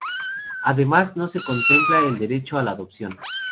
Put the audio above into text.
Además no se contempla el derecho a la adopción.